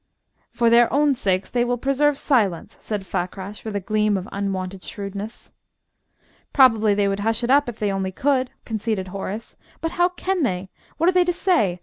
"For their own sakes they will preserve silence," said Fakrash, with a gleam of unwonted shrewdness. "Probably they would hush it up, if they only could," conceded Horace. "But how can they? What are they to say?